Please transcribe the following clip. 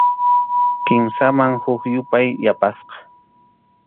Kimsaman huk yupay yapasqa.